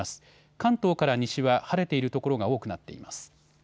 関東から西は晴れている所が多くなっています。